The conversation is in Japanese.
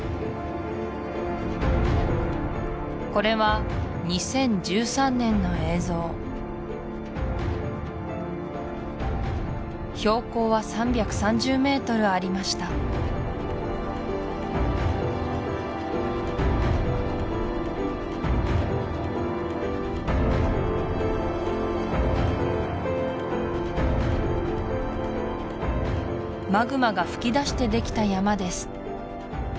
これは２０１３年の映像標高は３３０ｍありましたマグマが噴き出してできた山です